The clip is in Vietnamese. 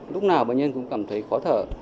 lúc nào bệnh nhân cũng cảm thấy khó thở